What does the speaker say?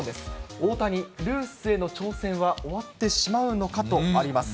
大谷、ルースへの挑戦は終わってしまうのかとあります。